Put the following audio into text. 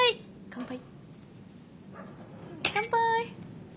乾杯！